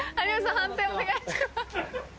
判定お願いします。